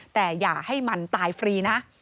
แต่อย่าให้มันตายฟรีนะ